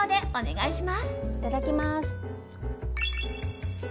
いただきます。